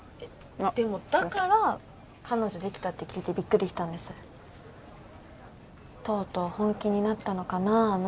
でもだから彼女できたって聞いてびっくりしたんですとうとう本気になったのかなあ